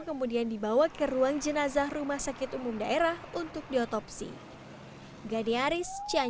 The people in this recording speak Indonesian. kemudian dibawa ke ruang jenazah rumah sakit umum daerah untuk diotopsi